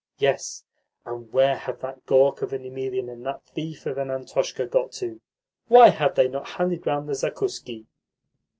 Yes, and where have that gawk of an Emelian and that thief of an Antoshka got to? Why have they not handed round the zakuski?"